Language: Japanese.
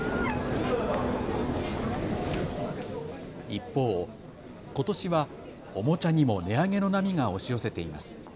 一方、ことしはおもちゃにも値上げの波が押し寄せています。